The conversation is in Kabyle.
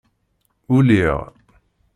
Uliɣ.